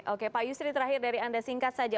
oke pak yusri terakhir dari anda singkat saja